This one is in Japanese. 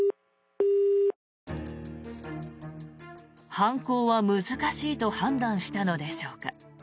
犯行は難しいと判断したのでしょうか。